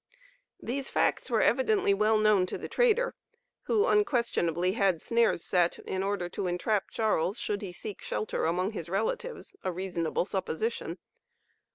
These facts were evidently well known to the trader, who unquestionably had snares set in order to entrap Charles should he seek shelter among his relatives, a reasonable supposition.